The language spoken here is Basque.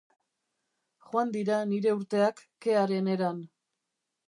Joan dira nire urteak kearen eran.